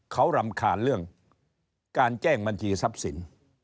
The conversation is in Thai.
เขารำคาญเรื่องการแจ้งบัญชีทรัพย์สิน